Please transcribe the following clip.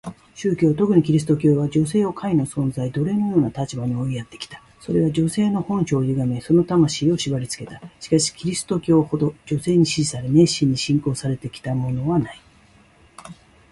宗教、特にキリスト教は、女性を下位の存在、奴隷のような立場に追いやってきた。それは女性の本性を歪め、その魂を縛りつけた。しかしキリスト教ほど女性に支持され、熱心に信仰されてきたものはない。